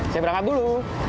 saya berangkat dulu